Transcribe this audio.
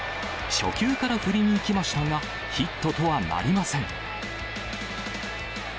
初球から振りにいきましたが、ヒットとはなりません。